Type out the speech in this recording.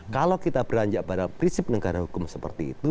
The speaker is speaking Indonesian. kalau kita beranjak pada prinsip negara hukum seperti itu